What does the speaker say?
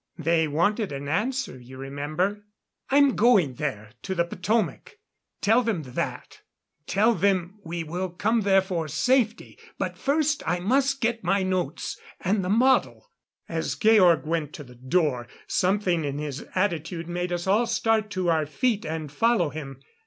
"They wanted an answer, you remember." "I'm going there to the Potomac tell them that. Tell them we will come there for safety. But first I must get my notes, and the model." As Georg went to the door, something in his attitude made us all start to our feet and follow him.